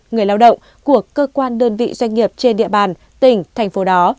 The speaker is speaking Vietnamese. người lao động của cơ quan đơn vị doanh nghiệp trên địa bàn tỉnh thành phố đó